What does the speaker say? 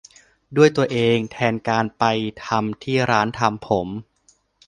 ด้วยตัวเองแทนการไปทำที่ร้านทำผม